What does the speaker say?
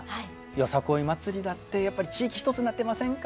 よさこい祭りだってやっぱり地域一つになってませんか？